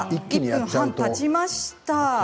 １分半たちました。